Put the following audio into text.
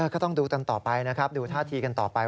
ก็ต้องดูกันต่อไปนะครับดูท่าทีกันต่อไป